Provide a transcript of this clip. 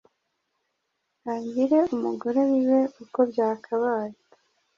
angire umugore bibe uko byakabaye!